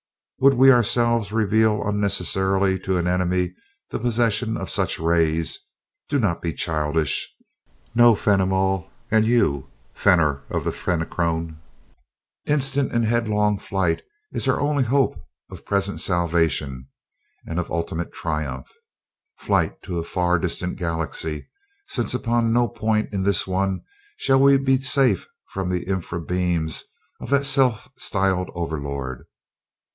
Would we ourselves reveal unnecessarily to an enemy the possession of such rays? Do not be childish. No, Fenimol, and you, Fenor of the Fenachrone, instant and headlong flight is our only hope of present salvation and of ultimate triumph flight to a far distant Galaxy, since upon no point in this one shall we be safe from the infra beams of that self styled Overlord."